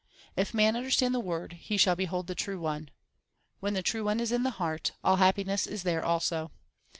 If man understand the Word, he shall behold the True One. When the True One is in the heart, all happiness is there also.